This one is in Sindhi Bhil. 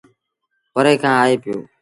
پري کآݩ آئي پيو۔